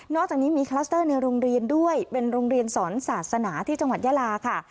อกจากนี้มีคลัสเตอร์ในโรงเรียนด้วยเป็นโรงเรียนสอนศาสนาที่จังหวัดยาลาค่ะ